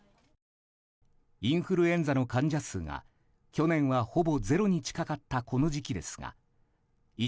インフルエンザの患者数が去年は、ほぼゼロに近かったこの時期ですが１